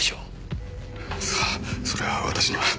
さあそれは私には。